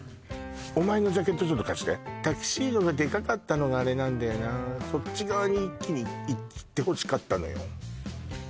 お前のジャケットちょっと貸してタキシードがでかかったのがあれなんだよなそっち側に一気にいってほしかったのよ